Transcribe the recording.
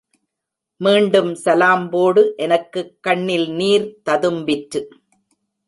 மீண்டும் சலாம் போடு! எனக்கு கண்ணில் நீர் ததும்பிற்று.